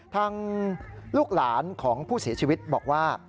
ทางลูกหลานของผู้เสียชีวิตบอกว่า